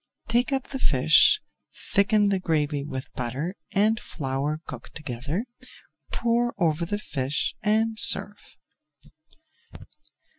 Take up the fish, thicken the gravy with butter and flour cooked together, pour over the fish and serve.